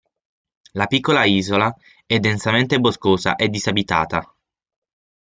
La piccola isola è densamente boscosa e disabitata.